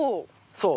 そう。